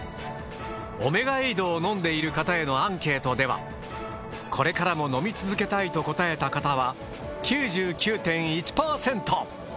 オメガエイドを飲んでいる方へのアンケートではこれからも飲み続けたいと答えた方は９９．１％。